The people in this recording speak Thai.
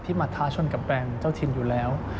มาท้าชนกับแบรนด์เจ้าถิ่นอยู่แล้ว